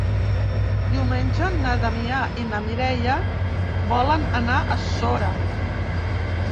Diumenge na Damià i na Mireia volen anar a Sora.